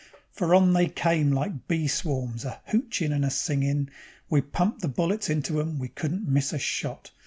For on they came like bee swarms, a hochin' and a singin'; We pumped the bullets into 'em, we couldn't miss a shot.